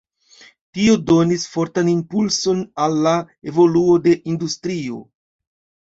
Tio donis fortan impulson al la evoluo de industrio.